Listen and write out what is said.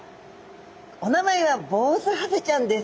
お名前はボウズハゼちゃんです。